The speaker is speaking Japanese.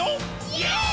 イエーイ！！